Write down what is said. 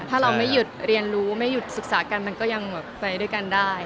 ถ้าเราไม่หยุดเรียนรู้ไม่หยุดศึกษากันมันก็ยังแบบไปด้วยกันได้